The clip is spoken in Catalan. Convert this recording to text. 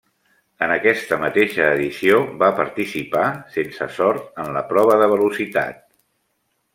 En aquesta mateixa edició va participar, sense sort, en la prova de velocitat.